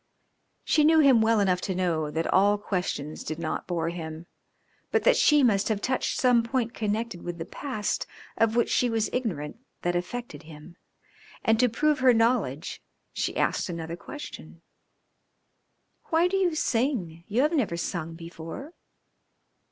She knew him well enough to know that all questions did not bore him, but that she must have touched some point connected with the past of which she was ignorant that affected him, and to prove her knowledge she asked another question. "Why do you sing? You have never sung before."